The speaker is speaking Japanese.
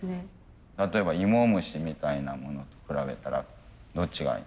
例えば芋虫みたいなものと比べたらどっちが。